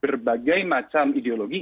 sekarang berbagai macam ideologi